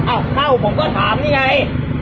เข้าผมก็ถามนี่ไง